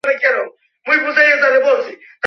খুশিতে ভাতের দলা তাহার গলার মধ্যে আটকাইয়া যাইতেছিল যেন।